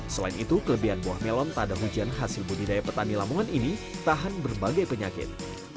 selain itu kelebihan buah melon tak ada hujan hasil budidaya petani lamongan ini tahan berbagai penyakit